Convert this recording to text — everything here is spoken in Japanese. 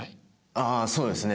ああそうですね。